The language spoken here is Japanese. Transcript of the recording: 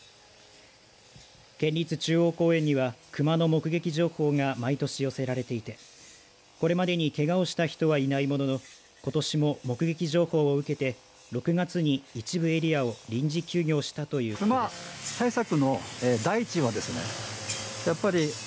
県立中央公園にはクマの目撃情報が毎年、寄せられていてこれまでにけがをした人はいないもののことしも目撃情報を受けて６月に一部エリアを臨時休業したということです。